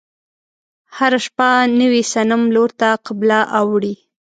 هره شپه نوي صنم لور ته قبله اوړي.